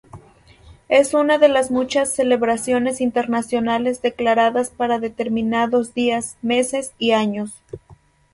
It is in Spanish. Es una de las muchas celebraciones internacionales declaradas para determinados días, meses y años.